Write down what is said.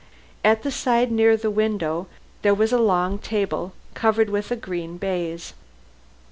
At the side near the window there was a long table covered with green baize.